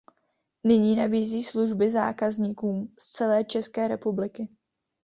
Nyní nabízí služby zákazníkům z celé České republiky.